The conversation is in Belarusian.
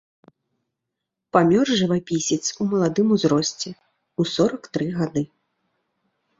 Памёр жывапісец у маладым узросце, у сорак тры гады.